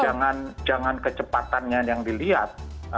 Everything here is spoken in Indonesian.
jadi jangan kecepatannya yang dilihat